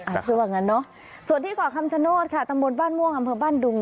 เชื่อว่างั้นเนอะส่วนที่เกาะคำชโนธค่ะตำบลบ้านม่วงอำเภอบ้านดุง